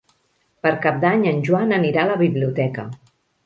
Per Cap d'Any en Joan anirà a la biblioteca.